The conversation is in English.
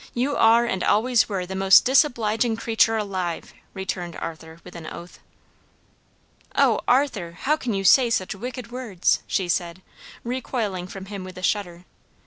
You are and always were the most disobliging creature alive!" returned Arthur with an oath. "Oh, Arthur, how can you say such wicked words," she said, recoiling from him with a shudder.